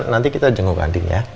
nanti kita jenguk anding ya